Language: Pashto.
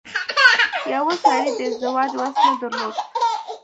يوه سړي د ازدواج وس نه درلود.